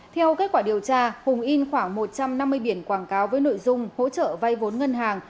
theo kết quả điều tra hùng in khoảng một trăm năm mươi biển quảng cáo với nội dung hỗ trợ vay vốn ngân hàng